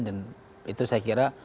dan itu saya kira